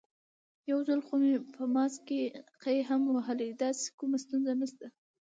یو ځل خو مې په ماسک کې قی هم وهلی، داسې کومه ستونزه نشته.